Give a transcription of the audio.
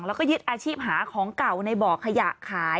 แล้วก็ยึดอาชีพหาของเก่าในบ่อขยะขาย